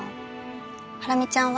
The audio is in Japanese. ハラミちゃんは？